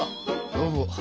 どうも。